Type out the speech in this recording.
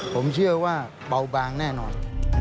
ผมเชื่อว่าเบาบางแน่นอน